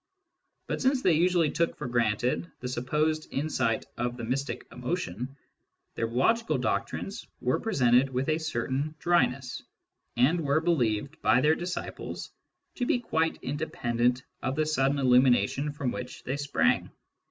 But since they usually took for i granted the supposed insight of the mystic emotion, their logical doctrines were presented with a certain dryness, and were believed by their disciples to be quite inde pendent of the sudden illumination from which they sprang.